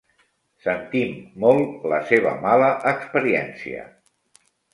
Sentim molt la seva mala experiència.